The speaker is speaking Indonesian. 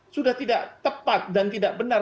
sudah tidak tepat dan tidak benar